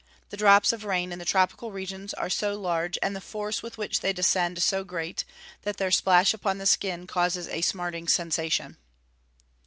The drops of rain in the tropical regions are so large, and the force with which they descend so great, that their splash upon the skin causes a _smarting sensation.